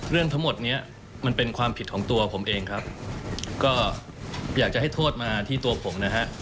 เรื่องทั้งหมดเนี้ยมันเป็นความผิดของตัวผมเองครับก็อยากจะให้โทษมาที่ตัวผมนะฮะ